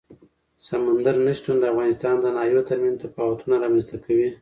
سمندر نه شتون د افغانستان د ناحیو ترمنځ تفاوتونه رامنځ ته کوي.